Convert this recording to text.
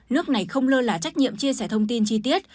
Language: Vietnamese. nước này không lơ là trách nhiệm chia sẻ thông tin chi tiết